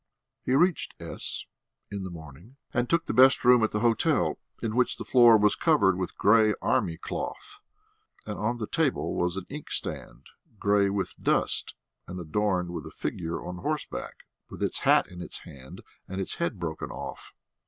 He reached S in the morning, and took the best room at the hotel, in which the floor was covered with grey army cloth, and on the table was an inkstand, grey with dust and adorned with a figure on horseback, with its hat in its hand and its head broken off.